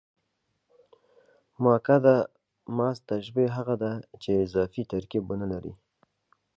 مؤکده محض تشبیه هغه ده، چي اضافي ترکیب و نه لري.